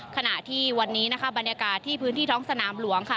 ขณะที่วันนี้นะคะบรรยากาศที่พื้นที่ท้องสนามหลวงค่ะ